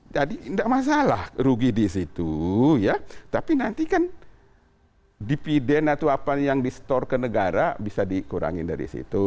jadi tidak masalah rugi di situ ya tapi nanti kan dipiden atau apa yang di store ke negara bisa dikurangi dari situ